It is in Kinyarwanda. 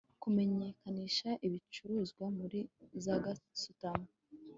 kumenyekanisha ibicuruzwa muri za gasutamo